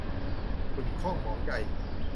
ขุ่นข้องหมองใจ